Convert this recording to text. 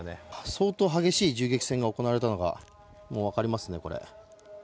相当激しい銃撃戦が行われたのが分かりますね、これ。